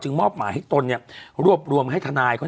จึงมอบหมาให้ตนรวบรวมให้ทนาย